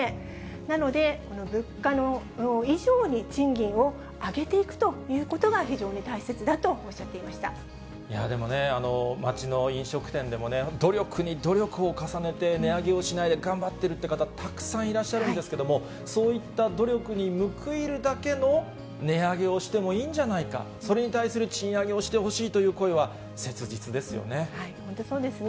なので、物価以上に賃金を上げていくということが非常に大切だとおっしゃでもね、街の飲食店でもね、努力に努力を重ねて、値上げをしないで頑張ってるって方、たくさんいらっしゃるんですけども、そういった努力に報いるだけの値上げをしてもいいんじゃないか、それに対する賃上げをしてほしいという声は切実ですよね。